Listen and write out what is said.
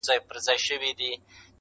اوربشي څه په مځکه، څه په جوال.